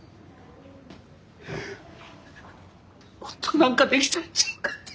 もっと何かできたんちゃうかって！